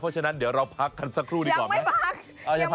เพราะฉะนั้นเดี๋ยวเราพักกันสักครู่ดีกว่าไหม